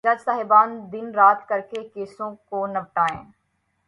جج صاحبان دن رات کر کے کیسوں کو نمٹائیں۔